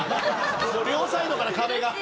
両サイドから壁が。